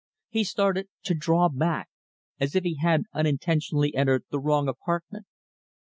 He started to draw back as if he had unintentionally entered the wrong apartment.